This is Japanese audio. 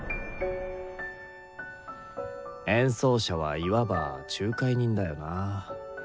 演奏者はいわば仲介人だよな。